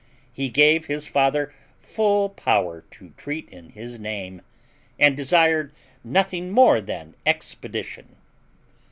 He gave his father full power to treat in his name, and desired nothing more than expedition.